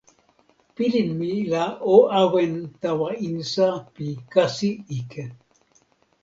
pilin mi la o awen tawa insa pi kasi ike.